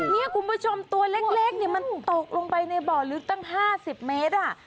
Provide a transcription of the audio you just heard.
นี่คุณผู้ชมตัวเล็กมันตกลงไปในบ่อลึกตั้ง๕๐เมตร